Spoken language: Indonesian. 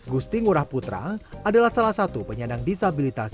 gusti ngurah putra adalah salah satu penyandang disabilitas